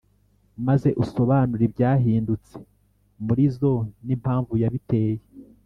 maze usobanure ibyahindutse muri zo n’impamvu yabiteye.